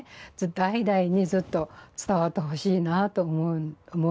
代々にずっと伝わってほしいなと思うよね